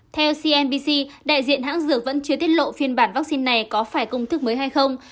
theo cnbc đại diện hãng dược vẫn chưa tiết lộ phiên bản vaccine này có phải công thức mới hay không